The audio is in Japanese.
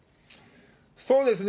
そうですね。